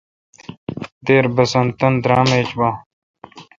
دیر بسن تان درام ایچ با۔